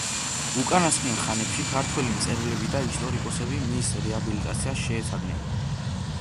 უკანასკნელ ხანებში ქართველი მწერლები და ისტორიკოსები მის რეაბილიტაციას შეეცადნენ.